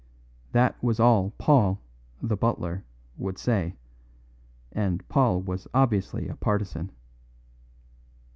That was all Paul, the butler, would say, and Paul was obviously a partisan.